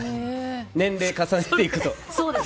年齢を重ねていくと。